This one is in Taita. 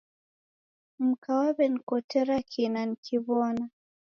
Mka waw'enikotera kina nikiw'ona.